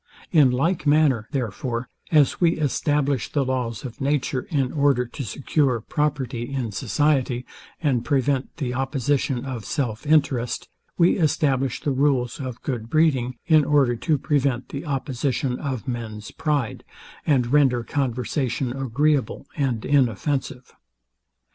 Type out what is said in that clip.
In like manner, therefore, as we establish the laws of nature, in order to secure property in society, and prevent the opposition of self interest; we establish the rules of good breeding, in order to prevent the opposition of men's pride, and render conversation agreeable and inoffensive.